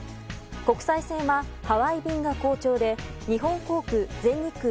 国際線はハワイ便が好調で日本航空、全日空